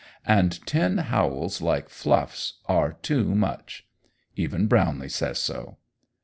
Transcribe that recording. And ten howls like Fluff's are too much. Even Brownlee says so."